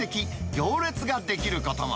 行列が出来ることも。